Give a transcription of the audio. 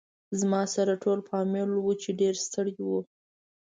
زما سره ټول فامیل و چې ډېر ستړي و.